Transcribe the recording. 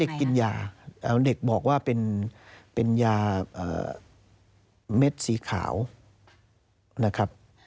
กินยาเด็กบอกว่าเป็นยาเม็ดสีขาวนะครับ